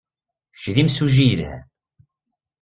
Kečč d imsujji yelhan.